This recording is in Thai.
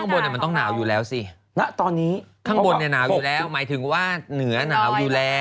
ข้างบนมันต้องหนาวอยู่แล้วสิณตอนนี้ข้างบนเนี่ยหนาวอยู่แล้วหมายถึงว่าเหนือหนาวอยู่แล้ว